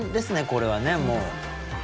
これはねもう。